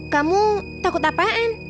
kamu takut apaan